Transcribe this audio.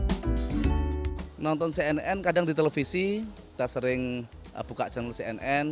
menonton cnn kadang di televisi kita sering buka channel cnn